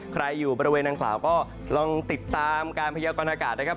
ใครอยู่บริเวณดังขลาวก็ลองติดตามการพยายามก่อนอากาศนะครับ